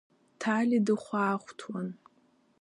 Ҭали дыхәаахәҭуан.